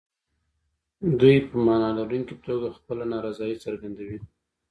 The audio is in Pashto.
دوی په معنا لرونکي توګه خپله نارضايي څرګندوي.